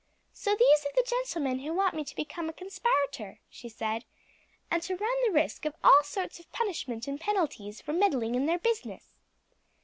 "So these are the gentlemen who want me to become a conspirator," she said, "and to run the risk of all sorts of punishment and penalties for meddling in their business?"